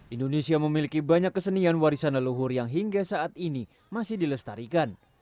indonesia memiliki banyak kesenian warisan leluhur yang hingga saat ini masih dilestarikan